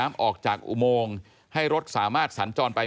ทางนิติกรหมู่บ้านแจ้งกับสำนักงานเขตประเวท